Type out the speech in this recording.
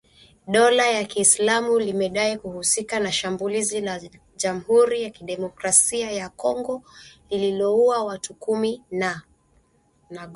Dola ya Kiislamu limedai kuhusika na shambulizi la Jamhuri ya Kidemokrasi ya Kongo lililouwa watu kumi na watano.